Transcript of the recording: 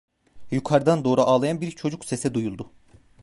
Yukarıdan doğru ağlayan bir çocuk sesi duyuldu.